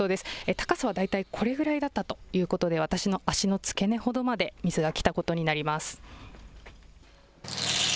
高さは大体これくらいだったということで私の足の付け根ほどまで水が来たことになります。